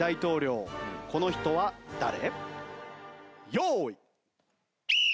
用意。